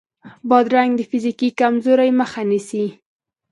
بادرنګ د فزیکي کمزورۍ مخه نیسي.